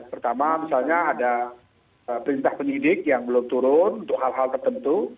pertama misalnya ada perintah penyidik yang belum turun untuk hal hal tertentu